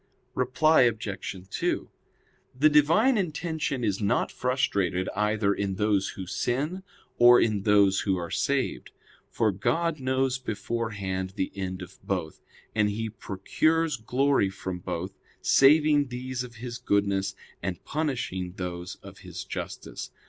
Reply Obj. 2: The Divine intention is not frustrated either in those who sin, or in those who are saved; for God knows beforehand the end of both; and He procures glory from both, saving these of His goodness, and punishing those of His justice.